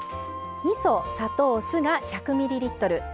みそ砂糖酢が１００ミリリットル。